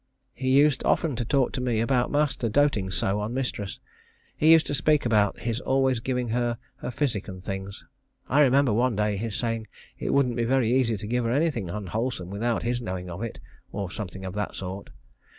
He used often to talk to me about master doting so on mistress. He used to speak about his always giving her her physic and things. I remember one day his saying it wouldn't be very easy to give her anything unwholesome without his knowing of it, or something of that sort.